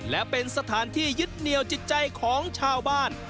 และเป็นสถานที่ยึดเหนียวจิตใจของชาวบ้าน